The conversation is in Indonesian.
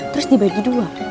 terus dibagi dua